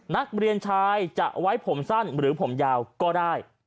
นักเรียนชายจะไว้ผมสั้นหรือผมยาวก็ได้